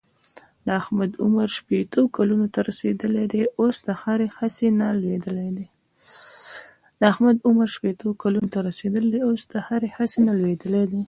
د احمد عمر شپېتو کلونو ته رسېدلی اوس د هرې هڅې نه لوېدلی دی.